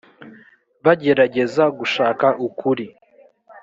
bagerageza gushaka ukuri